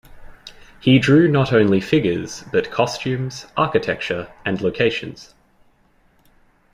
He drew not only figures but costumes, architecture, and locations.